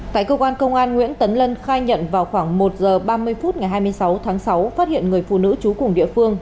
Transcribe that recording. tại cơ quan công an nguyễn tấn lân khai nhận vào khoảng một h ba mươi phút ngày hai mươi sáu tháng sáu phát hiện người phụ nữ trú cùng địa phương